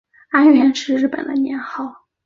安元是日本的年号。